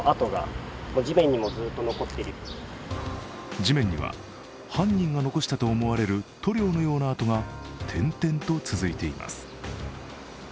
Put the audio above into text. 地面には犯人が残したと思われる塗料のようなあとが点々と続いています。